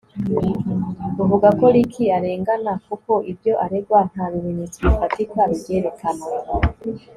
avuga ko Ricky arengana kuko ibyo aregwa nta bimenyetso bifatika bibyerekana